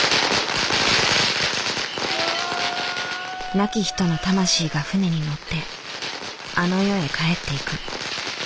亡き人の魂が船に乗ってあの世へ帰っていく。